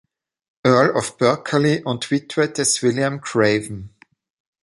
Earl of Berkeley und Witwe des William Craven.